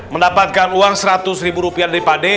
mendapatkan uang seratus rupiah dari pak d